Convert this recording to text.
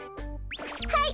はい！